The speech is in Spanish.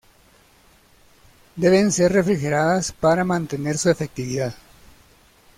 Deben ser refrigeradas para mantener su efectividad.